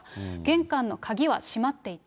玄関の鍵は閉まっていた。